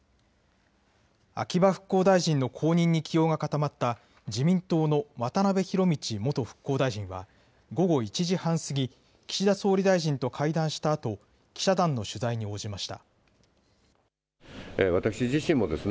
秋葉復興大臣の後任に起用が固まった自民党の渡辺博道元復興大臣は午後１時半過ぎ、岸田総理大臣と会談したあと記者団の取材に応じました。